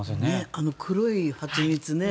あの黒い蜂蜜ね。